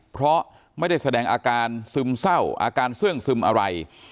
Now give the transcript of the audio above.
เพราะไม่ได้แสดงอาการซึมเศร้าอาการเสื้องซึมอะไร